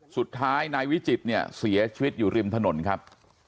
สุดท้ายนายวิจิตรเนี่ยเสียชีวิตอยู่ริมถนนครับ